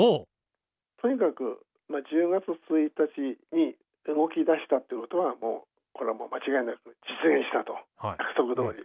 とにかく１０月１日に動きだしたってことはこれはもう間違いなく実現したと約束どおり。